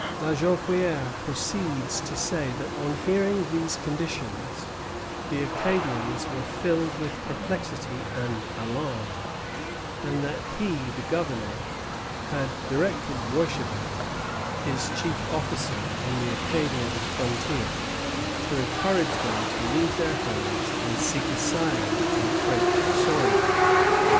La Jonquière proceeds to say that on hearing these conditions the Acadians were filled with perplexity and alarm, and that he, the governor, had directed Boishébert, his chief officer on the Acadian frontier, to encourage them to leave their homes and seek asylum on French soil.